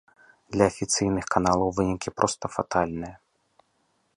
Для афіцыйных каналаў вынікі проста фатальныя.